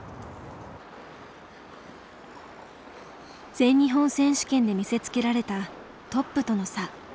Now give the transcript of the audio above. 全日本選手権で見せつけられたトップとの差。